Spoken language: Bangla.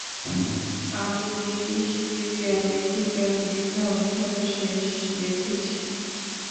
আমি ব্রিটিশ মিউজিয়ামে ঠিক এমনই ধ্বংসাবশেষ দেখেছি।